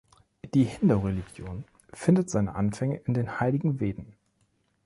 Die Hindu-Religion findet seine Anfänge in den heiligen Veden.